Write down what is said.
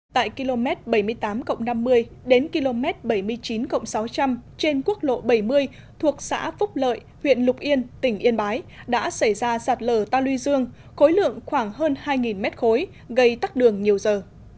tại km bảy mươi tám năm mươi đến km bảy mươi chín sáu trăm linh trên quốc lộ bảy mươi thuộc xã phúc lợi huyện lục yên tỉnh yên bái đã xảy ra sạt lở ta luy dương khối lượng khoảng hơn hai mét khối gây tắt đường nhiều giờ